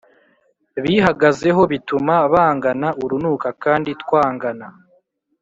Bihagazeho bituma bangana urunuka kandi twangana